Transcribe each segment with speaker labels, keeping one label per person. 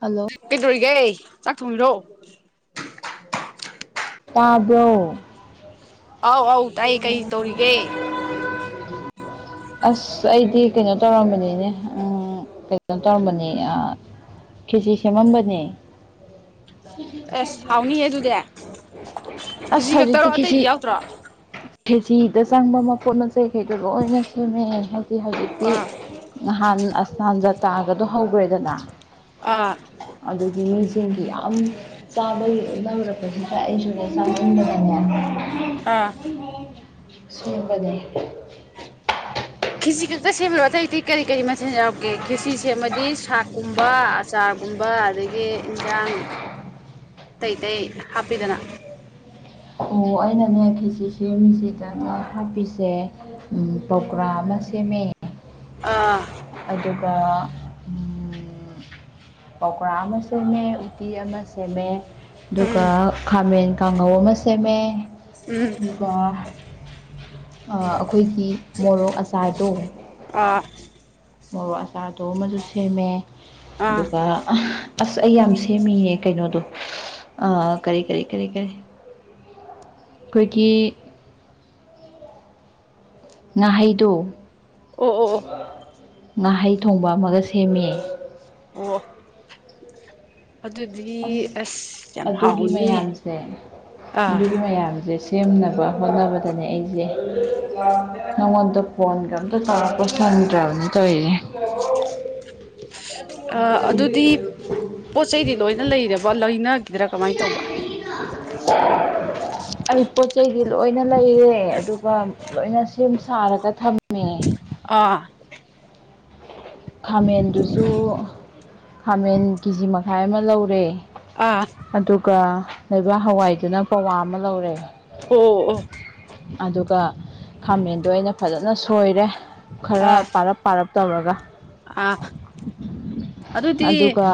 Speaker 1: hello
Speaker 2: ꯀꯩꯗꯧꯔꯤꯒꯦ ꯆꯥꯛ ꯊꯣꯡꯉꯤꯔꯣ
Speaker 1: ꯇꯥꯕ꯭ꯔꯣ
Speaker 2: ꯑꯧ ꯑꯧ ꯇꯥꯏ ꯀꯩ ꯇꯧꯔꯤꯒꯦ
Speaker 1: ꯑꯁ ꯑꯩꯗꯤ ꯀꯩꯅꯣ ꯇꯧꯔꯝꯕꯅꯤꯅꯦ ꯎꯝ ꯀꯩꯅꯣ ꯇꯧꯔꯝꯕꯅꯤ ꯑꯥ ꯈꯦꯆꯤ ꯁꯦꯝꯃꯝꯕꯅꯦ
Speaker 2: ꯑꯁ ꯍꯥꯎꯅꯤꯍꯦ ꯑꯗꯨꯗꯤ
Speaker 1: ꯑꯁ
Speaker 2: ꯈꯦꯆꯤ ꯈꯛꯇꯔꯣ
Speaker 1: ꯍꯧꯖꯤꯛꯇꯤ ꯈꯦꯆꯤ
Speaker 2: ꯑꯇꯩꯗꯤ ꯌꯥꯎꯗ꯭ꯔꯣ
Speaker 1: ꯈꯦꯆꯤꯗ ꯆꯪꯕ ꯃꯄꯣꯠ ꯃꯆꯩ ꯀꯩꯗꯣ ꯂꯣꯏ ꯑꯗꯨꯅꯦ ꯍꯧꯖꯤꯛ ꯍꯧꯖꯤꯛꯇꯤ
Speaker 2: ꯑꯥ
Speaker 1: ꯅꯍꯥꯟ ꯑꯁꯅꯥꯟ ꯖꯇ꯭ꯔꯥꯒꯗꯣ ꯍꯧꯒ꯭ꯔꯦꯗꯅꯥ
Speaker 2: ꯑꯥ
Speaker 1: ꯑꯗꯨꯒꯤ ꯃꯤꯁꯤꯡꯒꯤ ꯌꯥꯝ ꯆꯥꯕꯒꯤ [unintelligible] ꯑꯩꯁꯨꯅꯦ ꯆꯥꯃꯟꯗꯅꯅꯦ
Speaker 2: ꯑꯥ
Speaker 1: [unintelligible] ꯁꯤꯟꯕꯅꯦ
Speaker 2: ꯈꯤꯆꯤ ꯈꯇ ꯁꯦꯝꯃꯤꯔꯣ ꯑꯇꯩ ꯑꯇꯩ ꯀꯔꯤ ꯀꯔꯤ ꯃꯊꯦꯟ ꯌꯥꯎꯔꯛꯀꯦ ꯈꯦꯆ꯭ꯔꯤ ꯁꯦꯝꯃꯗꯤ ꯁꯥꯛꯀꯨꯝꯕ ꯑꯆꯥꯔꯒꯨꯝꯕ ꯑꯗꯒꯤ ꯏꯟꯖꯥꯡ
Speaker 1: [inaudible]
Speaker 2: ꯑꯇꯩ ꯑꯇꯩ ꯍꯥꯞꯄꯤꯗꯅ
Speaker 1: ꯑꯣ ꯑꯩꯅꯅꯦ ꯈꯦꯆ꯭ꯔꯤ ꯁꯦꯝꯃꯤꯖꯤꯗꯅꯦ ꯍꯥꯞꯄꯤꯁꯦ ꯎꯝ ꯄꯧꯀ꯭ꯔꯥ ꯑꯃ ꯁꯦꯝꯃꯦ
Speaker 2: ꯑꯥ
Speaker 1: ꯑꯗꯨꯒ ꯎꯝ ꯄꯧꯀ꯭ꯔꯥ ꯑꯃ ꯁꯦꯝꯃꯦ ꯎꯠꯇꯤ ꯑꯃ ꯁꯦꯝꯃꯦ ꯑꯗꯨꯒ
Speaker 2: ꯎꯝ
Speaker 1: ꯈꯥꯃꯦꯟ ꯀꯥꯡꯍꯧ ꯑꯃ ꯁꯦꯝꯃꯦ
Speaker 2: ꯎꯝ
Speaker 1: ꯑꯗꯨꯒ ꯑꯥ ꯑꯈꯣꯏꯒꯤ ꯃꯣꯔꯣꯛ ꯑꯆꯥꯔꯗꯣ
Speaker 2: ꯑꯥ
Speaker 1: ꯃꯣꯔꯣꯛ ꯑꯆꯥꯔꯗꯣ ꯑꯃꯖꯨ ꯁꯦꯝꯃꯦ
Speaker 2: ꯑꯥ
Speaker 1: ꯑꯗꯨꯒ ꯑꯍ ꯑꯁ ꯑꯩ ꯌꯥꯝ ꯁꯦꯝꯃꯤꯌꯦ ꯀꯩꯅꯣꯗꯣ ꯑꯥ ꯀꯔꯤ ꯀꯔꯤ ꯀꯔꯤ ꯀꯔꯤ ꯑꯈꯣꯏꯒꯤ ꯉꯥꯍꯩꯗꯣ
Speaker 2: ꯑꯣ ꯑꯣ ꯑꯣ
Speaker 1: ꯉꯥꯍꯩ ꯊꯣꯡꯕ ꯑꯃꯒ ꯁꯦꯝꯃꯦ
Speaker 2: ꯑꯣ ꯑꯗꯨꯗꯤ
Speaker 1: ꯑꯁ
Speaker 2: ꯑꯁ ꯌꯥꯝ
Speaker 1: ꯑꯗꯨꯒꯤ
Speaker 2: ꯍꯥꯎꯅꯤꯅꯦ
Speaker 1: ꯃꯌꯥꯝꯁꯦ
Speaker 2: ꯑꯥ
Speaker 1: ꯑꯗꯨꯒꯤ ꯃꯌꯥꯝꯖꯦ ꯁꯤ ꯁꯦꯝꯅꯕ ꯍꯣꯠꯅꯕꯗꯅꯦ ꯑꯩꯖꯦ ꯅꯪꯉꯣꯟꯗꯣ ꯐꯣꯟꯒ ꯑꯝꯇ ꯇꯧꯔꯛꯄ ꯁꯪꯗ꯭ꯔꯕꯅꯤ ꯇꯧꯋꯤꯖꯦ
Speaker 2: ꯑꯥ ꯑꯗꯨꯗꯤ ꯄꯣꯠ ꯆꯩꯗꯤ ꯂꯣꯏꯅ ꯂꯩꯔꯕ ꯂꯩꯅꯒꯤꯗ꯭ꯔꯥ ꯀꯃꯥꯏ ꯇꯧꯕ
Speaker 1: [inaudible] ꯑꯩ ꯄꯣꯠ ꯆꯩꯗꯤ ꯂꯣꯏꯅ ꯂꯩꯔꯦ ꯑꯗꯨꯒ ꯂꯣꯏꯅ ꯁꯦꯝ ꯁꯥꯔꯒ ꯊꯝ ꯃꯦ
Speaker 2: ꯑꯥ
Speaker 1: ꯈꯥꯃꯦꯟꯗꯨꯁꯨ ꯈꯥꯃꯦꯟ ꯀꯦꯖꯤ ꯃꯈꯥꯏ ꯑꯃ ꯂꯧꯔꯦ
Speaker 2: ꯑꯥ
Speaker 1: ꯑꯗꯨꯒ ꯂꯩꯕꯥꯛ ꯍꯋꯥꯏꯗꯨꯅ ꯄꯋꯥ ꯑꯃ ꯂꯧꯔꯦ
Speaker 2: ꯑꯣ ꯑꯣ ꯑꯣ
Speaker 1: ꯑꯗꯨꯒ ꯈꯥꯃꯦꯟꯗꯣ ꯑꯩꯅ ꯐꯖꯅ ꯁꯣꯏꯔꯦ ꯈꯔ
Speaker 2: ꯑꯥ
Speaker 1: ꯄꯥꯔꯞ ꯄꯥꯔꯞ ꯇꯧꯔꯒ
Speaker 2: ꯑꯥ ꯑꯗꯨꯗꯤ
Speaker 1: ꯑꯗꯨꯒ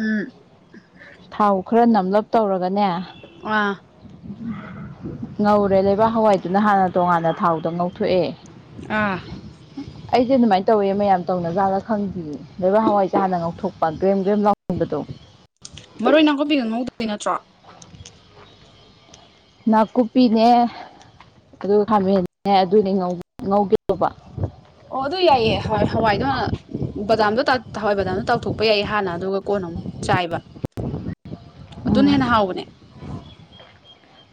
Speaker 2: ꯎꯝ
Speaker 1: ꯊꯥꯎ ꯈꯔ ꯅꯝꯂꯞ ꯇꯧꯔꯒꯅꯦ
Speaker 2: ꯑꯥ
Speaker 1: ꯉꯧꯔꯦ ꯂꯩꯕꯥꯛ ꯍꯋꯥꯏꯗꯨꯅ ꯍꯥꯟꯅ ꯇꯣꯉꯥꯟꯅ ꯊꯥꯎꯗ ꯉꯧꯊꯣꯛꯑꯦ
Speaker 2: ꯑꯥ
Speaker 1: [inaudible] ꯑꯩꯖꯦ ꯑꯗꯨꯃꯥꯏꯟ ꯇꯧꯋꯦ ꯃꯌꯥꯝ ꯇꯧꯅꯖꯥꯠꯂ ꯈꯪꯗꯤꯌꯦ ꯂꯩꯕꯥꯛ ꯍꯋꯥꯏꯁꯦ ꯍꯥꯟꯅ ꯉꯊꯣꯛꯄ ꯒ꯭ꯔꯦꯝ ꯒ꯭ꯔꯦꯝ ꯂꯥꯎꯍꯟꯕꯗꯣ
Speaker 2: ꯃꯔꯣꯏ ꯅꯥꯀꯨꯞꯄꯤꯒ ꯉꯧꯗꯣꯏ ꯅꯠꯇ꯭ꯔꯣ
Speaker 1: ꯅꯥꯀꯨꯞꯄꯤꯅꯦ ꯑꯗꯨꯒ ꯈꯥꯃꯦꯟꯅꯦ ꯑꯗꯨꯅꯦ ꯉꯧꯒꯦ ꯇꯧꯕ
Speaker 2: ꯑꯣ ꯑꯗꯨ ꯌꯥꯏꯌꯦ ꯍꯥꯋꯥ ꯍꯋꯥꯏꯗꯣ ꯍꯥꯟ ꯕꯗꯥꯝꯗꯣ ꯇꯎ ꯍꯋꯥꯏ ꯕꯗꯥꯝꯗꯣ ꯇꯥꯎꯊꯣꯛꯄ ꯌꯥꯏ ꯍꯥꯟꯅ ꯑꯗꯨꯒ ꯀꯣꯟ ꯑꯃꯨꯛ ꯆꯥꯏꯕ ꯑꯗꯨꯅ ꯍꯦꯟꯅ
Speaker 1: ꯎꯝ
Speaker 2: ꯍꯥꯎꯕꯅꯦ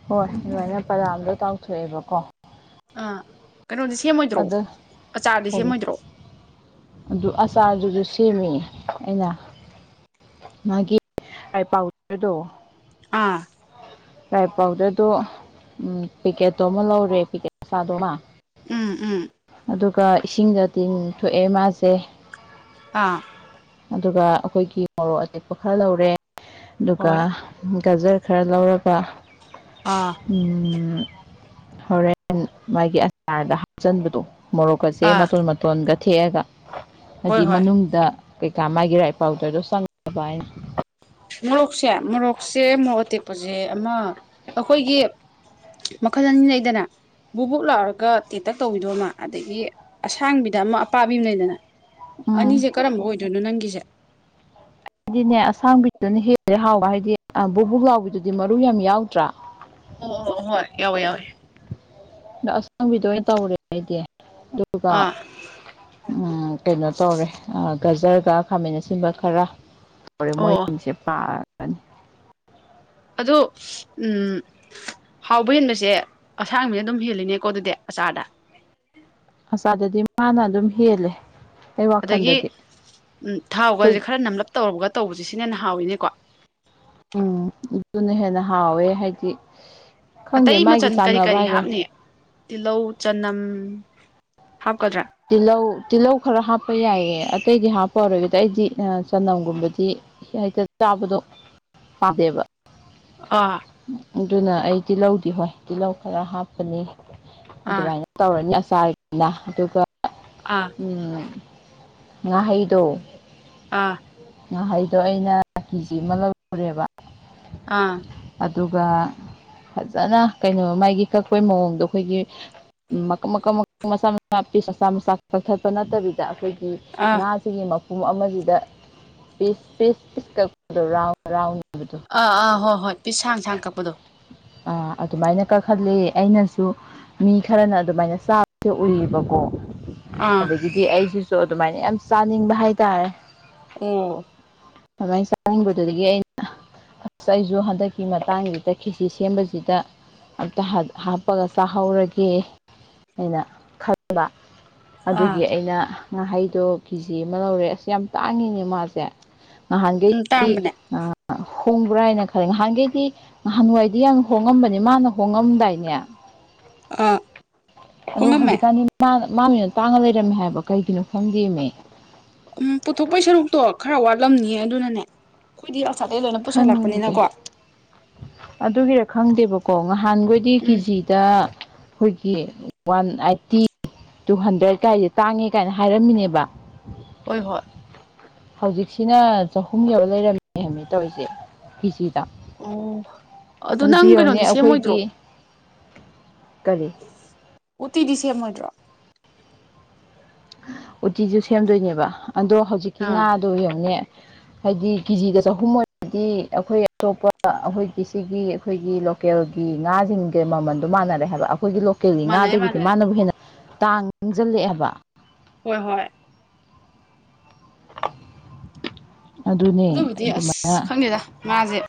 Speaker 1: ꯍꯣꯏ ꯑꯗꯨꯃꯥꯏꯅ ꯕꯗꯥꯝꯗꯣ ꯇꯥꯎꯊꯣꯛꯑꯦꯕꯀꯣ
Speaker 2: ꯑꯥ ꯀꯩꯅꯣꯗꯤ ꯁꯦꯝꯃꯣꯏꯗ꯭ꯔꯣ
Speaker 1: ꯑꯗ
Speaker 2: ꯑꯆꯥꯔꯗꯤ
Speaker 1: ꯀꯔꯤ
Speaker 2: ꯁꯦꯝꯃꯣꯏꯗ꯭ꯔꯣ
Speaker 1: ꯑꯗꯨ ꯑꯆꯥꯔꯗꯨꯖꯨ ꯁꯦꯝꯃꯦ ꯑꯩꯅ ꯃꯥꯒꯤ ꯔꯥꯏ ꯄꯥꯎꯗꯔꯗꯣ
Speaker 2: ꯑꯥ
Speaker 1: ꯔꯥꯏ ꯄꯥꯎꯗꯔꯗꯣ ꯎꯝ ꯄꯤꯀꯦꯠꯇꯣ ꯑꯃ ꯂꯧꯔꯦ ꯄꯤꯀꯦꯠ ꯃꯆꯥꯗꯨ ꯑꯃ
Speaker 2: ꯎꯝ ꯎꯝ
Speaker 1: ꯑꯗꯨꯒ ꯏꯁꯤꯡꯗ ꯇꯤꯡ ꯊꯣꯛꯑꯦ ꯃꯥꯁꯦ
Speaker 2: ꯑꯥ
Speaker 1: ꯑꯗꯨꯒ ꯑꯈꯣꯏꯒꯤ ꯃꯣꯔꯣꯛ ꯑꯇꯦꯛꯄ ꯈꯔ ꯂꯧꯔꯦ ꯑꯗꯨꯒ
Speaker 2: ꯍꯣꯏ
Speaker 1: ꯒꯖꯔ ꯈꯔ ꯂꯧꯔꯒ
Speaker 2: ꯑꯥ
Speaker 1: ꯎꯝ ꯍꯣꯔꯦꯟ ꯃꯥꯒꯤ ꯑꯆꯥꯔꯗ ꯍꯥꯞꯆꯤꯟꯕꯗꯣ ꯃꯣꯔꯣꯛ ꯀꯁꯦ
Speaker 2: ꯑꯥ
Speaker 1: ꯃꯇꯣꯟ ꯃꯇꯣꯟꯒ ꯊꯦꯛꯑꯒ
Speaker 2: ꯍꯣꯏ
Speaker 1: ꯍꯥꯏꯗꯤ
Speaker 2: ꯍꯣꯏ
Speaker 1: ꯃꯅꯨꯡꯗ ꯀꯩꯀꯥ ꯃꯥꯒꯤ ꯔꯥꯏ ꯄꯥꯎꯗꯔꯗꯣ ꯆꯪꯅꯕ ꯍꯥꯏꯅ
Speaker 2: ꯃꯣꯔꯣꯛꯁꯦ ꯃꯣꯔꯣꯛꯁꯦ ꯃꯣꯔꯣꯛ ꯑꯇꯦꯛꯄꯖꯦ ꯑꯃ ꯑꯈꯣꯏꯒꯤ ꯃꯈꯜ ꯑꯅꯤ ꯂꯩꯗꯅ ꯕꯨꯞ ꯕꯨꯞ ꯂꯥꯎꯔꯒ ꯇꯦꯟꯇꯛ ꯇꯧꯕꯤꯗꯣ ꯑꯃ ꯑꯗꯒꯤ ꯑꯁꯥꯡꯕꯤꯗ ꯑꯃ ꯑꯄꯥꯕꯤ ꯑꯃ ꯂꯩꯗꯅ
Speaker 1: ꯎꯝ
Speaker 2: ꯑꯅꯤꯖꯦ ꯀꯔꯝꯕ ꯑꯣꯏꯗꯣꯏꯅꯣ ꯅꯪꯒꯤꯖꯦ
Speaker 1: ꯑꯩꯗꯤꯅꯦ ꯑꯁꯥꯡꯕꯤꯗꯨꯅ ꯍꯦꯜꯂꯦ ꯍꯥꯎꯕ ꯍꯥꯏꯗꯤ ꯕꯨꯞꯕꯨꯞ ꯂꯥꯎꯕꯤꯗꯨꯗꯤ ꯃꯔꯨ ꯌꯥꯝ ꯌꯥꯎꯗ꯭ꯔꯥ
Speaker 2: ꯑꯣ ꯑꯣ ꯍꯣꯏ ꯌꯥꯎꯋꯦ ꯌꯥꯎꯋꯦ
Speaker 1: ꯑꯗꯣ ꯑꯁꯥꯡꯕꯤꯗꯣ ꯑꯣꯏꯅ ꯇꯧꯔꯦ ꯍꯥꯏꯗꯤ ꯑꯗꯨꯒ
Speaker 2: ꯑꯥ
Speaker 1: ꯎꯝ ꯀꯩꯅꯣ ꯇꯧꯔꯦ ꯒꯖꯔꯒ ꯈꯥꯃꯦꯟ ꯑꯁꯤꯟꯕ ꯈꯔ ꯇꯧꯔꯦ
Speaker 2: ꯑꯣ ꯑꯣ
Speaker 1: ꯃꯣꯏꯁꯤꯡꯁꯦ ꯄꯥꯔꯅꯤ
Speaker 2: ꯑꯗꯣ ꯎꯝ ꯍꯥꯎꯕ ꯍꯦꯟꯕꯁꯦ ꯑꯁꯥꯡꯕꯤꯅ ꯑꯗꯨꯝ ꯍꯦꯜꯂꯤꯅꯦꯀꯣ ꯑꯗꯨꯗꯤ ꯑꯆꯥꯔꯗ
Speaker 1: ꯑꯆꯥꯥꯔꯗꯗꯤ ꯃꯥꯅ ꯑꯗꯨꯝ ꯍꯦꯜꯂꯦ ꯑꯩ
Speaker 2: ꯑꯗꯒꯤ
Speaker 1: ꯋꯥꯈꯜꯗꯗꯤ ꯑꯩꯈꯣꯏ
Speaker 2: ꯊꯥꯎꯒꯁꯤ ꯈꯔ ꯅꯝꯂꯞ ꯇꯧꯔꯒ ꯇꯧꯕꯁꯤ ꯁꯤꯅ ꯍꯦꯟꯅ ꯍꯥꯎꯋꯤꯅꯦꯀꯣ
Speaker 1: ꯎꯝ ꯑꯗꯨꯅ ꯍꯦꯟꯅ ꯍꯥꯎꯋꯦ ꯍꯥꯏꯗꯤ ꯈꯪꯗꯦ
Speaker 2: ꯑꯇꯩ
Speaker 1: ꯃꯥꯒꯤ
Speaker 2: ꯃꯆꯜ ꯀꯔꯤ
Speaker 1: ꯆꯥꯟꯅꯕ
Speaker 2: ꯀꯔꯤ
Speaker 1: ꯍꯥꯏꯗꯣꯏꯔ
Speaker 2: ꯍꯥꯞꯅꯤ ꯇꯤꯜꯍꯧ ꯆꯅꯝ ꯍꯥꯞꯀꯗ꯭ꯔꯥ
Speaker 1: ꯇꯤꯜꯂꯧ ꯇꯤꯜꯂꯧ ꯈꯔ ꯍꯥꯞꯄ ꯌꯥꯏꯌꯦ ꯑꯇꯩꯗꯤ ꯍꯥꯞꯄꯔꯣꯏꯒꯦꯗ ꯑꯩꯗꯤ ꯆꯅꯝꯒꯨꯝꯕꯗꯤ ꯍꯦꯛꯇ ꯆꯥꯕꯗꯣ ꯄꯥꯝꯗꯦꯕ
Speaker 2: ꯑꯥ
Speaker 1: ꯑꯗꯨꯅ ꯑꯩ ꯇꯤꯜꯍꯧꯗꯤ ꯍꯣꯏ ꯇꯤꯜꯍꯧ ꯈꯔ ꯍꯥꯞꯄꯅꯤ
Speaker 2: ꯑꯥ
Speaker 1: ꯑꯗꯨꯃꯥꯏꯅ ꯇꯧꯔꯅꯤ ꯑꯆꯥꯔꯒꯤꯅ ꯑꯗꯨꯒ
Speaker 2: ꯑꯥ
Speaker 1: ꯎꯝ ꯉꯥꯍꯩꯗꯣ
Speaker 2: ꯑꯥ
Speaker 1: ꯉꯥꯍꯩꯗꯣ ꯑꯩꯅ ꯀꯦꯖꯤ ꯑꯃ ꯂꯧꯔꯨꯔꯦꯕ
Speaker 2: ꯑꯥ
Speaker 1: ꯑꯗꯨꯒ ꯐꯖꯥꯅ ꯀꯩꯅꯣ ꯃꯥꯒꯤ ꯀꯛꯄꯩ ꯃꯑꯣꯡꯗꯣ ꯑꯩꯈꯣꯏꯒꯤ ꯎꯝ ꯃꯀꯛ ꯃꯀꯛ ꯃꯆꯥ ꯃꯆꯥ ꯄꯤꯁ ꯃꯆꯥ ꯃꯆꯥ ꯀꯛꯊꯠꯄ ꯅꯠꯇꯕꯤꯗ ꯑꯩꯈꯣꯏꯒꯤ
Speaker 2: ꯑꯥ
Speaker 1: ꯉꯥ ꯁꯤꯒꯤ ꯃꯄꯨꯝ ꯑꯃꯥꯖꯤꯗ ꯄꯤꯁ ꯄꯤꯁ ꯄꯤꯁ ꯀꯛꯄꯗꯣ ꯔꯥꯎꯟ ꯔꯥꯎꯟ [unintelligible]
Speaker 2: ꯑꯥ ꯑꯥ ꯍꯣꯏ ꯍꯣꯏ ꯄꯤꯁ ꯁꯥꯡ ꯁꯥꯡ ꯀꯛꯄꯗꯣ
Speaker 1: ꯑꯥ ꯑꯗꯨꯃꯥꯏꯅ ꯀꯛꯍꯜꯂꯦ ꯑꯩꯅꯁꯨ ꯃꯤ ꯈꯔꯅ ꯑꯗꯨꯃꯥꯏꯅ ꯆꯥꯕꯁꯦ ꯎꯏꯌꯦꯕꯀꯣ
Speaker 2: ꯑꯥ
Speaker 1: ꯑꯗꯒꯤꯗꯤ ꯑꯩꯖꯤꯖꯨ ꯑꯗꯨꯃꯥꯏꯅ ꯌꯥꯝ ꯆꯥꯅꯤꯡꯕ ꯍꯥꯏꯇꯥꯔꯦ
Speaker 2: ꯎꯝ
Speaker 1: ꯑꯗꯨꯃꯥꯏ ꯆꯥꯅꯤꯡꯕꯗꯨꯗꯒꯤ ꯑꯩꯅ ꯑꯁ ꯑꯩꯁꯨ ꯍꯟꯗꯛꯀꯤ ꯃꯇꯥꯡꯖꯤꯗ ꯈꯦꯆꯤ ꯁꯦꯝꯕꯁꯤꯗ ꯑꯝꯇ ꯍꯥꯠ ꯍꯥꯞꯄꯒ ꯆꯥꯍꯧꯔꯒꯦ ꯑꯩꯅ ꯈꯠ ꯕ
Speaker 2: ꯑꯥ
Speaker 1: ꯑꯗꯨꯒꯤ ꯑꯩꯅ ꯉꯥꯍꯩꯗꯣ ꯀꯦꯖꯤ ꯑꯃꯥ ꯂꯧꯔꯦ ꯑꯁ ꯌꯥꯝ ꯇꯥꯡꯉꯤꯅꯦ ꯃꯥꯖꯦ
Speaker 2: ꯎꯝ
Speaker 1: ꯅꯍꯥꯟꯒꯩꯗꯤ
Speaker 2: ꯇꯥꯡꯕꯅꯦ
Speaker 1: ꯑꯥ ꯍꯣꯡꯕ꯭ꯔꯥ ꯍꯥꯏꯅ ꯈꯜꯂꯦ ꯉꯍꯥꯟꯒꯩꯗꯤ ꯅꯍꯥꯟꯋꯥꯏꯗꯤ ꯌꯥꯝ ꯍꯣꯡꯉꯝꯕꯅꯦ ꯃꯥꯅ ꯍꯣꯡꯉꯝꯗꯥꯏꯅꯦ
Speaker 2: ꯑꯥ
Speaker 1: ꯑꯗꯣ ꯍꯧꯖꯤꯛꯀꯥꯟꯗꯤ ꯃꯥ ꯃꯥꯅ ꯍꯦꯟꯅ ꯇꯥꯡꯉ ꯂꯩꯔꯝꯃꯦ ꯍꯥꯏꯕ ꯀꯩꯒꯤꯅꯣ ꯈꯪꯗꯦꯃꯦ
Speaker 2: ꯎꯝ ꯄꯨꯊꯣꯛꯄꯩ ꯁꯔꯨꯛꯇꯣ ꯈꯔ ꯋꯥꯠꯂꯝꯅꯤꯌꯦ ꯑꯗꯨꯅꯅꯦ ꯑꯩꯈꯣꯏꯗꯤ ꯑꯥꯎꯁꯥꯏꯠꯇꯩ ꯂꯣꯏꯅ
Speaker 1: ꯈꯪꯗꯦ
Speaker 2: ꯄꯨꯁꯜꯂꯛꯄꯅꯤꯅꯀꯣ
Speaker 1: ꯑꯗꯨꯒꯤꯔ ꯈꯪꯗꯦꯕꯀꯣ ꯉꯍꯥꯟꯒꯣꯏꯗꯤ
Speaker 2: ꯎꯝ
Speaker 1: ꯀꯤꯖꯤ ꯇꯥ ꯑꯩꯈꯣꯏꯒꯤ ꯋꯥꯟ ꯑꯥꯏꯠꯇꯤ ꯇꯨ ꯍꯟꯗ꯭ꯔꯦꯠ ꯀꯥꯏꯖꯦ ꯇꯥꯡꯉꯦ ꯀꯥꯏꯅ ꯍꯥꯏꯔꯝꯃꯤꯅꯦꯕ
Speaker 2: ꯍꯣꯏ ꯍꯣꯏ
Speaker 1: ꯍꯧꯖꯤꯛꯁꯤꯅ ꯆꯍꯨꯝ ꯌꯧꯔ ꯂꯩꯔꯝꯃꯦ ꯍꯥꯏꯃꯦ ꯇꯧꯔꯤꯖꯦ ꯀꯤꯖꯤꯗ
Speaker 2: ꯑꯣ ꯑꯗꯣ ꯅꯪ ꯀꯩꯅꯣꯗꯤ ꯁꯦꯝꯃꯣꯏꯗ꯭ꯔꯣ
Speaker 1: ꯑꯩꯈꯣꯏꯒꯤ ꯀꯔꯤ
Speaker 2: ꯎꯠꯇꯤꯗꯤ ꯁꯦꯝꯃꯣꯏꯗ꯭ꯔꯣ
Speaker 1: ꯎꯠꯇꯤꯖꯨ ꯁꯦꯝꯗꯣꯏꯅꯦꯕ ꯑꯗꯣ ꯍꯧꯖꯤꯛꯀꯤ
Speaker 2: ꯑꯥ
Speaker 1: ꯉꯥꯗꯣ ꯌꯦꯡꯉꯨꯅꯦ ꯍꯥꯏꯗꯤ ꯀꯤꯖꯤꯗ ꯆꯍꯨꯝ ꯑꯣꯏꯔꯗꯤ ꯑꯩꯈꯣꯏ ꯑꯇꯣꯞꯄ ꯑꯩꯈꯣꯏꯒꯤ ꯁꯤꯒꯤ ꯑꯩꯈꯣꯏꯒꯤ ꯂꯣ ꯀꯦꯜꯒꯤ ꯉꯥꯁꯤꯡꯒ ꯃꯃꯟꯗꯣ ꯃꯥꯟꯅꯔꯦ ꯍꯥꯏꯕ ꯑꯩꯈꯣꯏꯒꯤ ꯂꯣ ꯀꯦꯜꯒꯤ
Speaker 2: ꯃꯥꯟꯅꯔꯦ
Speaker 1: ꯉꯥꯗꯒꯤꯗꯤ
Speaker 2: ꯃꯥꯟꯅꯔꯦ
Speaker 1: ꯃꯥꯅꯕꯨ ꯍꯦꯟꯅ ꯇꯥꯡꯖꯜꯂꯛꯑꯦ ꯍꯥꯕ
Speaker 2: ꯍꯣꯏ ꯍꯣꯏ
Speaker 1: ꯑꯗꯨꯅꯦ
Speaker 2: ꯑꯗꯨꯕꯨꯗꯤ ꯑꯁ
Speaker 1: ꯑꯗꯨꯃꯥꯏꯅ
Speaker 2: ꯈꯪꯗꯦꯗ ꯉꯥꯖꯦ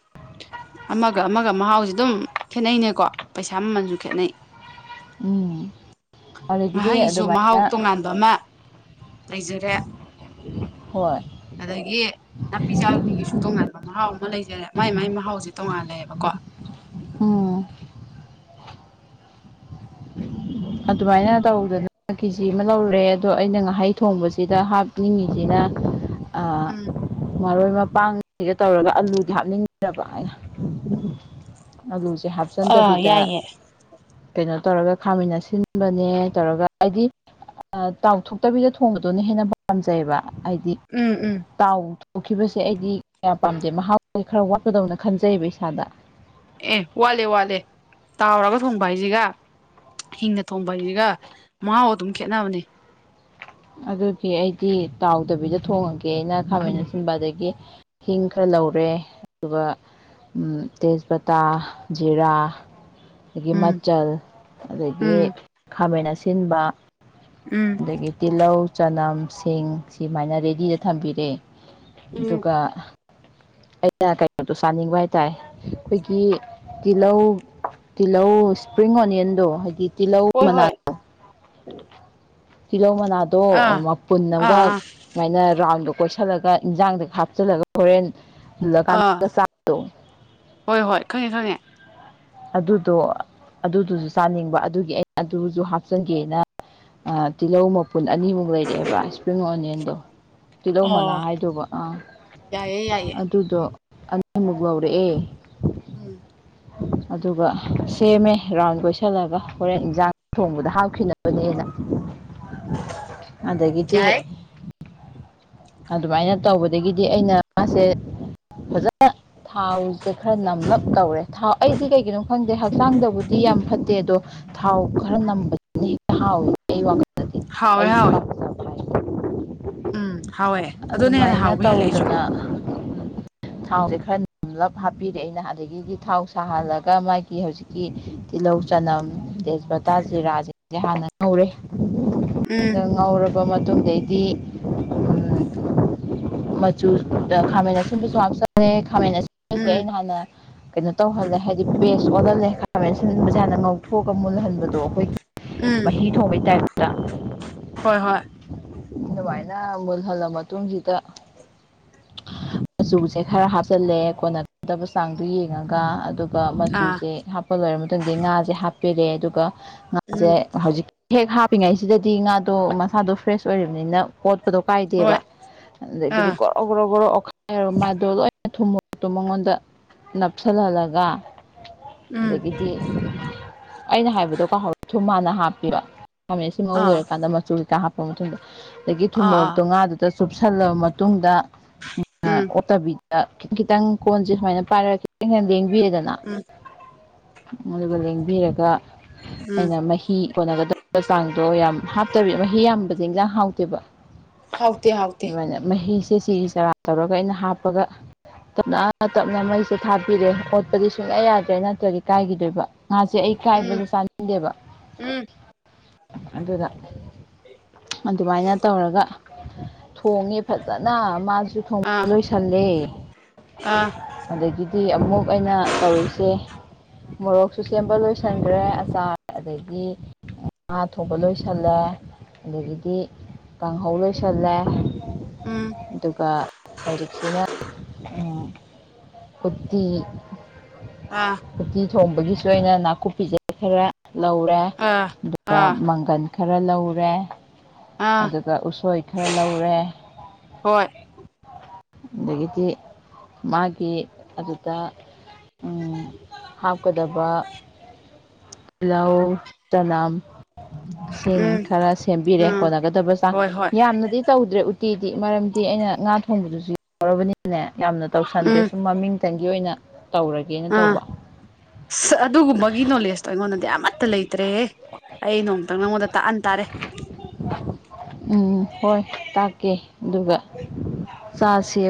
Speaker 2: ꯑꯃꯥꯒ ꯑꯃꯥꯒ ꯃꯍꯥꯎꯖꯦ ꯑꯗꯨꯝ ꯈꯦꯠꯅꯩꯅꯦꯀꯣ ꯄꯩꯁꯥ ꯃꯃꯟꯖꯨ ꯈꯦꯠꯅꯩ
Speaker 1: ꯎꯝ ꯑꯗꯒꯤꯗꯤ
Speaker 2: ꯉꯥꯍꯩꯖꯨ
Speaker 1: ꯑꯗꯨꯃꯥꯏꯅ
Speaker 2: ꯃꯍꯥꯎ ꯇꯣꯉꯥꯟꯕ ꯑꯃꯥ ꯂꯩꯖꯔꯦ
Speaker 1: ꯍꯣꯏ
Speaker 2: ꯑꯗꯒꯤ ꯅꯥꯄꯤ ꯆꯥꯕꯤꯒꯤꯁꯨ ꯇꯣꯉꯥꯟꯕ ꯃꯍꯥꯎ ꯑꯃ ꯂꯩꯖꯔꯦ ꯃꯥꯏ ꯃꯥꯏ ꯃꯍꯥꯎꯖꯦ ꯇꯣꯡꯉꯥꯜꯂꯦꯕꯀꯣ
Speaker 1: ꯎꯝ [inaudible] ꯑꯗꯨꯃꯥꯏꯅ ꯇꯧꯗꯅ ꯀꯦꯖꯤ ꯑꯃꯥ ꯂꯧꯔꯨꯔꯦ ꯑꯗꯣ ꯑꯩꯅ ꯉꯥꯍꯩ ꯊꯣꯡꯕꯖꯤꯗ ꯍꯥꯞꯅꯤꯡꯉꯤꯖꯤꯅ ꯑꯥ
Speaker 2: ꯎꯝ
Speaker 1: ꯃꯔꯣꯏ ꯃꯄꯥꯡ ꯒ ꯇꯧꯔꯒ ꯑꯂꯨꯗꯤ ꯍꯥꯞꯅꯤꯡꯗꯕ ꯑꯩꯅ ꯑꯂꯨꯖꯦ
Speaker 2: ꯑꯥ
Speaker 1: ꯍꯥꯞꯆꯟꯗꯕꯤꯗ
Speaker 2: ꯌꯥꯏꯌꯦ
Speaker 1: ꯀꯩꯅꯣ ꯇꯧꯔꯒ ꯈꯥꯃꯦꯟ ꯑꯁꯤꯟꯕꯅꯦ ꯇꯧꯔꯒ ꯍꯥꯏꯗꯤ ꯑꯥ ꯇꯥꯎꯊꯣꯛꯇꯕꯤꯗ ꯊꯣꯡꯕꯗꯨꯅ ꯍꯦꯟꯅ ꯄꯥꯝꯖꯩꯌꯦꯕ ꯑꯩꯗꯤ
Speaker 2: ꯎꯝ ꯎꯝ
Speaker 1: ꯇꯥꯎ ꯊꯣꯛꯈꯤꯕꯁꯦ ꯑꯩꯗꯤ ꯀꯌꯥ ꯄꯥꯝꯗꯦ ꯃꯍꯥꯎ ꯈꯔ ꯋꯥꯠꯄꯗꯧꯅ ꯈꯟꯖꯩꯌꯦꯕ ꯏꯁꯥꯗ
Speaker 2: ꯑꯦ ꯋꯥꯠꯂꯦ ꯋꯥꯜꯂꯦ ꯇꯥꯎꯔꯒ ꯊꯣꯡꯕ ꯍꯥꯏꯖꯤꯒ ꯍꯤꯡꯅ ꯊꯣꯡꯕ ꯍꯥꯏꯖꯤꯒ ꯃꯍꯥꯎ ꯑꯗꯨꯝ ꯈꯦꯠꯅꯕꯅꯦ
Speaker 1: ꯑꯗꯨꯒꯤ ꯑꯩꯗꯤ ꯇꯥꯎꯗꯕꯤꯗ ꯊꯣꯡꯉꯒꯦꯅ ꯈꯥꯃꯦꯟ ꯑꯁꯤꯟꯕ ꯑꯗꯒꯤ ꯍꯤꯡ ꯈꯔ ꯂꯧꯔꯦ ꯑꯗꯨꯒ ꯎꯝ ꯇꯦꯖꯕꯇꯥ ꯖꯤꯔꯥ ꯑꯒꯤ
Speaker 2: ꯎꯝ
Speaker 1: ꯃꯆꯜ ꯑꯗꯒꯤ
Speaker 2: ꯎꯝ
Speaker 1: ꯈꯥꯃꯦꯟ ꯑꯁꯤꯟꯕ
Speaker 2: ꯎꯝ
Speaker 1: ꯑꯗꯒꯤ ꯇꯤꯜꯂꯧ ꯆꯅꯝ ꯁꯤꯡ ꯁꯤꯃꯥꯏꯅ ꯔꯦꯗꯤꯗ ꯊꯝꯕꯤꯔꯦ
Speaker 2: ꯎꯝ
Speaker 1: ꯑꯗꯨꯒ ꯑꯩꯅ ꯀꯩꯅꯣꯗꯣ ꯆꯥꯅꯤꯡꯕ ꯍꯥꯏꯇꯥꯔꯦ ꯑꯈꯣꯏꯒꯤ ꯇꯤꯜꯂꯧ ꯇꯤꯜꯂꯧ ꯏꯁꯄ꯭ꯔꯤꯡ ꯑꯣꯅꯤꯌꯟꯗꯣ ꯍꯥꯏꯗꯤ ꯇꯤꯜꯂꯧ
Speaker 2: ꯍꯣꯏ
Speaker 1: ꯃꯅꯥ__
Speaker 2: ꯍꯣꯏ
Speaker 1: ꯇꯤꯜꯂꯧ ꯃꯅꯥꯗꯣ ꯑꯥ ꯃꯄꯨꯟ
Speaker 2: ꯑꯥ
Speaker 1: ꯑꯝꯒ
Speaker 2: ꯑꯥ
Speaker 1: ꯁꯨꯃꯥꯏꯅ ꯔꯥꯎꯟꯗꯣ ꯀꯣꯏꯁꯜꯂꯒ ꯏꯟꯖꯥꯡꯗ ꯍꯥꯞꯆꯤꯜꯂꯒ ꯍꯣꯔꯦꯟ
Speaker 2: ꯑꯥ
Speaker 1: ꯃꯨꯜꯂꯀꯥꯟꯗ ꯆꯥꯕꯗꯣ
Speaker 2: ꯍꯣꯏ ꯍꯣꯏ ꯈꯪꯉꯦ ꯈꯪꯉꯦ
Speaker 1: ꯑꯗꯨꯗꯣ ꯑꯗꯨꯗꯨꯖꯨ ꯆꯥꯅꯤꯡꯕ ꯑꯗꯨꯒꯤ ꯑꯩꯅ ꯑꯗꯨꯖꯨ ꯍꯥꯞꯆꯒꯦꯅ ꯑꯥ ꯇꯤꯜꯂꯧ ꯃꯄꯨꯟ ꯑꯅꯤꯃꯨꯛ ꯂꯩꯔꯛꯑꯦꯕ ꯏꯁꯄ꯭ꯔꯤꯡ ꯑꯣꯅꯤꯌꯟꯗꯣ ꯇꯤꯜꯂꯧ ꯃꯅꯥ
Speaker 2: ꯑꯣ
Speaker 1: ꯍꯥꯏꯗꯧꯕ ꯑꯥ
Speaker 2: ꯌꯥꯏꯌꯦ ꯌꯥꯏꯌꯦ
Speaker 1: ꯑꯗꯨꯗꯣ ꯑꯅꯤꯃꯨꯛ ꯂꯧꯔꯛꯑꯦ
Speaker 2: ꯎꯝ
Speaker 1: ꯑꯗꯨꯒ ꯁꯦꯝꯃꯦ ꯔꯥꯎꯟ ꯀꯣꯏꯁꯤꯜꯂꯒ ꯍꯣꯔꯦꯟ ꯏꯟꯖꯥꯡ ꯊꯣꯡꯕꯗ ꯍꯥꯞꯈꯤꯅꯕꯅꯦꯅ ꯑꯗꯒꯤꯗꯤ
Speaker 2: ꯌꯥꯏ
Speaker 1: ꯑꯗꯨꯃꯥꯏꯅ ꯇꯧꯕꯗꯒꯤꯗꯤ ꯑꯩꯅ ꯃꯥꯁꯦ ꯐꯖꯅ ꯊꯥꯎꯖꯦ ꯈꯔ ꯅꯝꯂꯞ ꯇꯧꯔꯦ ꯊꯥꯎ ꯑꯩꯗꯤ ꯀꯩ__ ꯀꯩꯒꯤꯅꯣ ꯈꯪꯗꯦ ꯍꯛꯆꯥꯡꯗꯕꯨꯗꯤ ꯌꯥꯝ ꯐꯠꯇꯦ ꯑꯗꯣ ꯊꯥꯎ ꯈꯔ ꯅꯝꯕꯅ ꯍꯦꯛ ꯍꯥꯎ ꯑꯩ ꯋꯥꯈꯜ ꯗꯗꯤ
Speaker 2: ꯍꯥꯎꯋꯦ
Speaker 1: ꯑꯩꯒꯤ
Speaker 2: ꯍꯥꯎꯋꯦ
Speaker 1: ꯄꯥꯝꯖꯕ ꯍꯦꯏꯔꯗꯤ
Speaker 2: ꯎꯝ ꯍꯥꯎꯋꯦ ꯑꯗꯨꯅ ꯍꯦꯟꯅ
Speaker 1: ꯑꯗꯨꯃꯥꯏꯅ
Speaker 2: ꯍꯥꯎꯕ ꯍꯦꯜꯂꯦ ꯑꯩꯁꯨ
Speaker 1: ꯇꯧꯗꯅ ꯎꯝ ꯊꯥꯎꯖꯦ ꯈꯔ ꯅꯝꯂꯞ ꯍꯥꯞꯄꯤꯔꯦ ꯑꯩꯅ ꯑꯗꯒꯤꯗꯤ ꯊꯥꯎ ꯁꯥꯍꯜꯂ__ ꯀꯥ ꯃꯥꯢꯒꯤ ꯍꯧꯖꯤꯛꯀꯤ ꯇꯤꯜꯂꯧ ꯆꯅꯝ ꯇꯦꯖꯕꯇꯥ ꯖꯤꯔꯥꯖꯤꯡꯖꯦ ꯍꯥꯟꯅ__ ꯉꯧꯔꯦ
Speaker 2: ꯎꯝ
Speaker 1: ꯑꯗ ꯉꯧꯔꯕ ꯃꯇꯨꯡꯗꯩꯗꯤ ꯎꯝ ꯃꯆꯨ ꯑꯥ ꯈꯥꯃꯦꯟ ꯑꯁꯤꯟꯕꯁꯨ ꯍꯥꯞꯆꯂꯦ ꯈꯥꯃꯦꯟ ꯑꯁꯤꯟ__ ꯑꯩꯁꯦ
Speaker 2: ꯎꯝ
Speaker 1: ꯑꯩꯅ ꯍꯥꯟꯅ ꯀꯩꯅꯣ ꯇꯧꯍꯜꯂꯦ ꯍꯥꯏꯗꯤ ꯄꯦꯁ ꯑꯣꯜꯍꯜꯂꯦ ꯈꯥꯃꯦꯟ ꯑꯁꯤꯟꯕꯖꯦ ꯍꯥꯟꯅ ꯉꯧꯊꯣꯛꯑꯒ ꯃꯨꯜꯍꯟꯕꯗꯣ ꯑꯈꯣꯏꯒꯤ__
Speaker 2: ꯎꯝ
Speaker 1: ꯃꯍꯤ ꯊꯣꯡꯕꯩ ꯇꯥꯏꯞꯇ
Speaker 2: ꯍꯣꯏ ꯍꯣꯏ
Speaker 1: ꯑꯗꯨꯃꯥꯏꯅ ꯃꯨꯜꯍꯜꯂ ꯃꯇꯨꯡꯖꯤꯗ ꯃꯆꯨꯁꯦ ꯈꯔ ꯍꯥꯞꯆꯜꯂꯦ ꯀꯣꯟꯅꯗꯕ ꯆꯥꯡꯗꯨ ꯌꯦꯡꯉꯒ ꯑꯗꯨ__ ꯒ
Speaker 2: ꯑꯥ
Speaker 1: ꯃꯆꯨꯁꯦ ꯍꯥꯞꯄ ꯂꯣꯏꯔ ꯃꯇꯨꯡꯗ ꯉꯥꯖꯦ ꯍꯥꯞꯄꯤꯔꯦ ꯑꯗꯨꯒ
Speaker 2: ꯎꯝ
Speaker 1: ꯉꯥꯖꯦ ꯍꯧꯖꯤꯛ__ ꯍꯦꯛ ꯍꯥꯞꯄꯤꯉꯩꯁꯤꯗꯗꯤ ꯉꯥꯗꯣ ꯃꯁꯥꯗꯣ ꯐ꯭ꯔꯦꯁ ꯑꯣꯏꯔꯤꯝꯅꯤꯅ ꯑꯣꯠꯄꯗꯣ ꯀꯥꯏꯗꯦꯕ
Speaker 2: ꯍꯣꯏ
Speaker 1: ꯑꯗꯨꯒꯤꯗꯤ
Speaker 2: ꯑꯥ
Speaker 1: ꯒꯣꯔ__ ꯑꯧ ꯒꯣꯔꯣ ꯒꯣꯔꯣ ꯑꯣꯠꯈꯥꯏꯔ ꯃꯥꯥꯏꯗꯣ ꯂꯣꯏꯅ ꯊꯨꯝꯃꯨꯛꯇꯣ ꯃꯉꯣꯟꯗ ꯅꯞꯁꯤꯜꯍꯜꯂꯒ
Speaker 2: ꯎꯝ
Speaker 1: ꯑꯗꯒꯤꯗꯤ ꯑꯩꯅ ꯍꯥꯏꯕꯗꯣ ꯀꯥꯎꯍꯧ ꯊꯨꯝ ꯍꯥꯅ ꯍꯥꯞꯄꯦꯕ ꯈꯥꯃꯦꯟꯁꯤꯟ ꯉꯧ
Speaker 2: ꯑꯥ
Speaker 1: ꯂꯣꯏꯔꯀꯥꯟꯗ ꯃꯆꯨ ꯀꯩꯀꯥ ꯍꯥꯞꯄ ꯃꯇꯨꯡꯗ ꯑꯗꯒꯤ
Speaker 2: ꯑꯥ ꯑꯥ
Speaker 1: ꯊꯨꯝꯃꯣꯔꯨꯛꯇꯣ ꯉꯥꯗꯨ‍‍ ꯇꯥ ꯆꯨꯞꯁꯤꯜꯂꯕ ꯃꯇꯨꯡꯗ [unintelligible]
Speaker 2: ꯎꯝ
Speaker 1: ꯑꯣꯠꯇꯕꯤ [unintelligible] ꯈꯤꯇꯪ ꯀꯣꯟꯖꯦ ꯁꯨꯃꯥꯏꯅ ꯄꯥꯏꯔꯒ ꯈꯤꯇꯪ ꯈꯤꯇꯪ ꯂꯦꯡꯕꯤꯔꯦꯗꯅ
Speaker 2: ꯎꯝ
Speaker 1: ꯑꯗꯨꯒ ꯂꯦꯡꯕꯤꯔꯒ
Speaker 2: ꯎꯝ
Speaker 1: ꯑꯩꯅ ꯃꯍꯤ ꯀꯣꯟꯅꯒꯗ ꯆꯥꯡꯗꯣ ꯌꯥꯝ ꯍꯥꯞꯇꯕꯤ ꯃꯍꯤ ꯌꯥꯝꯕꯖꯦ ꯏꯟꯖꯥꯡ ꯍꯥꯎꯇꯦꯕ
Speaker 2: ꯍꯥꯎꯇꯦ ꯍꯥꯎꯇꯦ
Speaker 1: ꯃꯍꯤꯖꯦ ꯆꯤꯔꯤ ꯆꯤꯔꯥ ꯇꯧꯔꯒ ꯑꯩꯅ ꯍꯥꯞꯄꯒ ꯇꯞꯅ ꯇꯞꯅ ꯃꯩꯁꯦ ꯊꯥꯕꯤꯔꯦ ꯑꯣꯠꯄꯗꯤ ꯁꯨꯡꯌꯥ ꯌꯥꯗ꯭ꯔꯦ ꯅꯠꯇ꯭ꯔꯗꯤ ꯀꯥꯏꯒꯤꯗꯣꯏꯕ ꯉꯥꯖꯦ ꯑꯩ
Speaker 2: ꯎꯝ
Speaker 1: ꯀꯥꯏꯕꯖꯦ ꯆꯥꯅꯤꯡꯗꯦꯕ
Speaker 2: ꯎꯝ
Speaker 1: ꯑꯗꯨꯅ ꯑꯗꯨꯃꯥꯏꯅ ꯇꯧꯔꯒ ꯊꯣꯡꯉꯦ ꯐꯖꯅ ꯃꯥꯖꯨ ꯊꯣꯡꯕ
Speaker 2: ꯑꯥ
Speaker 1: ꯂꯣꯏ ꯁꯜꯂꯦ
Speaker 2: ꯑꯥ
Speaker 1: ꯑꯗꯒꯤꯗꯤ ꯑꯃꯨꯛ ꯑꯩꯅ ꯇꯧꯔꯤꯁꯦ ꯃꯣꯔꯣꯛꯁꯨ ꯁꯦꯝꯕ ꯂꯣꯏꯁꯟꯒ꯭ꯔꯦ ꯑꯆꯥꯔ ꯑꯗꯒꯤ ꯉꯥ ꯊꯣꯡꯕ ꯂꯣꯏꯁꯜꯂꯦ ꯑꯗꯒꯤꯗꯤ ꯀꯥꯡꯍꯧ ꯂꯣꯏꯁꯜꯂꯦ
Speaker 2: ꯎꯝ
Speaker 1: ꯑꯗꯨꯒ ꯍꯧꯖꯤꯛꯁꯤꯅ ꯎꯝ ꯎꯠꯇꯤ
Speaker 2: ꯑꯥ
Speaker 1: ꯎꯠꯇꯤ ꯊꯣꯡꯕꯒꯤꯁꯨ ꯑꯩꯅ ꯅꯥꯀꯨꯞꯄꯤꯖꯦ ꯈꯔ ꯂꯧꯔꯦ
Speaker 2: ꯑꯥ
Speaker 1: ꯑꯗꯨꯒ
Speaker 2: ꯑꯥ
Speaker 1: ꯃꯪꯒꯟ ꯈꯔ ꯂꯧꯔꯦ
Speaker 2: ꯑꯥ
Speaker 1: ꯑꯗꯨꯒ ꯎꯁꯣꯏ ꯈꯔ ꯂꯧꯔꯦ
Speaker 2: ꯍꯣꯏ
Speaker 1: ꯑꯗꯒꯤꯗꯤ ꯃꯥꯒꯤ ꯑꯗꯨꯗ ꯎꯝ ꯍꯥꯞꯀꯗꯕ ꯇꯤꯜꯂꯧ ꯆꯅꯝ ꯁꯤꯡ
Speaker 2: ꯎꯝ
Speaker 1: ꯈꯔ ꯁꯦꯝꯕꯤꯔꯦ
Speaker 2: ꯎꯝ
Speaker 1: ꯀꯣꯟꯅꯒꯗꯕ ꯆꯥꯡ
Speaker 2: ꯍꯣꯏ ꯍꯣꯏ
Speaker 1: ꯌꯥꯝꯅꯗꯤ ꯇꯧꯗ꯭ꯔꯦ ꯎꯇꯤꯗꯤ ꯃꯔꯝꯗꯤ ꯑꯩꯅ ꯉꯥ ꯊꯣꯡꯕꯗꯨꯖꯨ ꯌꯥꯎꯔꯕꯅꯤꯅꯦ ꯌꯥꯝꯅ ꯇꯧꯁꯟꯗ꯭ꯔꯦ
Speaker 2: ꯎꯝ
Speaker 1: ꯁꯨꯝ ꯃꯃꯤꯡ ꯇꯪꯒꯤ ꯑꯣꯏꯅ ꯇꯧꯔ
Speaker 2: ꯑꯥ ꯑꯁ ꯑꯗꯨꯒꯨꯝꯕꯒꯤ ꯅꯣꯂꯦꯖꯇꯣ ꯑꯩꯉꯣꯟꯗꯗꯤ ꯑꯃꯠꯇ ꯂꯩꯇ꯭ꯔꯦꯍꯦ ꯑꯩ ꯅꯣꯡꯃꯇꯪ ꯅꯪꯉꯣꯟꯗ ꯇꯥꯛꯑꯟ ꯇꯥꯔꯦ
Speaker 1: [inaudible] ꯎꯝ ꯍꯣꯏ ꯇꯥꯛꯀꯦ ꯑꯗꯨꯒ ꯆꯥꯥꯁꯦ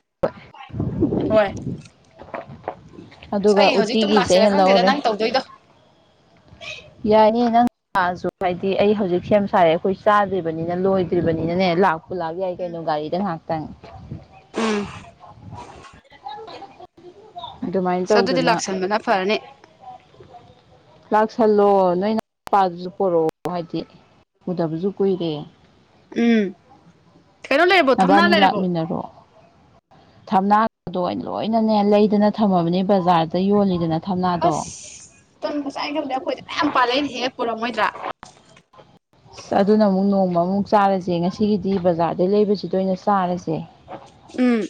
Speaker 2: ꯍꯣꯏ
Speaker 1: ꯑꯗꯨꯒ
Speaker 2: ꯑꯩ ꯍꯧꯖꯤꯛꯇꯨꯝ
Speaker 1: ꯎꯇꯤꯒꯤꯁꯦ ꯑꯩꯅ
Speaker 2: ꯂꯥꯛꯁꯤꯔꯥ ꯈꯪꯗꯦꯗ
Speaker 1: ꯂꯧꯔꯦ
Speaker 2: ꯅꯪ ꯇꯧꯗꯣꯏꯗꯣ
Speaker 1: ꯌꯥꯏꯅꯦ ꯅꯪ ꯂꯛꯑꯖꯨ ꯀꯥꯏꯗꯦ ꯑꯩ ꯍꯧꯖꯤꯛ ꯁꯦꯝ ꯁꯥꯔꯦ ꯑꯈꯣꯏ ꯆꯥꯗ꯭ꯔꯤꯕꯅꯤꯅ ꯂꯣꯏꯗ꯭ꯔꯤꯕꯅꯤꯅꯅꯦ ꯂꯥꯛ ꯨꯄꯨ ꯂꯥꯛ ꯌꯥꯏ
Speaker 2: ꯎꯝ
Speaker 1: ꯀꯩꯅꯣ ꯒꯥꯔꯤꯗ ꯉꯍꯥꯥꯛꯇꯪ ꯑꯗꯨꯃꯥꯏꯅ
Speaker 2: ꯎꯝ ꯑꯗꯨꯗꯤ
Speaker 1: ꯇꯧꯗꯅ
Speaker 2: ꯂꯥꯛꯁꯟꯕꯅ ꯐꯔꯅꯤ
Speaker 1: [inaudible] ꯂꯥꯛꯁꯜꯂꯣ ꯅꯣꯏ ꯅꯨꯄꯥꯗꯨꯖꯨ ꯄꯣꯔꯣꯑꯣ ꯍꯥꯏꯗꯤ ꯎꯗꯕꯖꯨ ꯀꯨꯏꯔꯦ
Speaker 2: ꯎꯝ ꯀꯩꯅꯣ ꯂꯩꯔꯕꯣ ꯊꯝꯅꯥ
Speaker 1: ꯅꯕꯥꯅꯤ
Speaker 2: ꯂꯩꯔꯕꯣ
Speaker 1: ꯂꯥꯛꯃꯤꯟꯅꯔꯣ ꯊꯝꯅꯥꯒꯗꯣ ꯑꯩꯅ ꯂꯣꯏꯅ ꯂꯩꯗꯅ ꯊꯝꯃꯕꯅꯦ ꯕꯖꯥꯔꯗ ꯌꯣꯜꯂꯤꯗꯅ ꯊꯝꯅꯥꯗꯣ
Speaker 2: ꯑꯁ ꯇꯟ ꯉꯁꯥꯏ ꯈꯪꯉꯝꯃꯗꯤ ꯑꯈꯣꯏꯗ ꯃꯌꯥꯝ ꯄꯥꯜꯂꯦ ꯑꯩꯅ ꯍꯦꯛ ꯄꯣꯔꯛꯑꯝꯃꯣꯏꯗ꯭ꯔꯥ
Speaker 1: ꯑꯁ ꯑꯗꯨꯅ ꯑꯃꯨꯛ ꯅꯣꯡꯃ ꯃꯨꯛ ꯆꯥꯔꯖꯦ ꯉꯁꯤꯒꯤꯗꯤ ꯕꯖꯥꯔꯗꯩ ꯂꯩꯕꯁꯤꯗ ꯑꯣꯏꯅ ꯆꯥꯔꯖꯦ
Speaker 2: ꯎꯝ